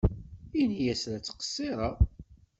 Ini-as la ttqeṣṣireɣ.